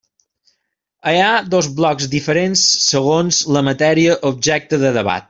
Hi ha dos blocs diferents segons la matèria objecte de debat.